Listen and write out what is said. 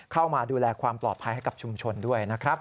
เข้ามาดูแลความปลอดภัยให้กับชุมชนด้วยนะครับ